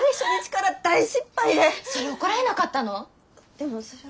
でもそれが。